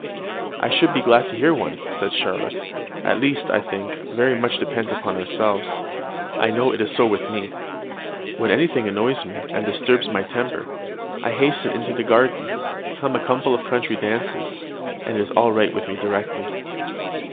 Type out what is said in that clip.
"I should be glad to hear one," said Charlotte: "at least, I think very much depends upon ourselves; I know it is so with me. When anything annoys me, and disturbs my temper, I hasten into the garden, hum a couple of country dances, and it is all right with me directly."